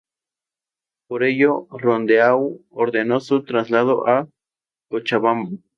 Por ello, Rondeau ordenó su traslado a Cochabamba.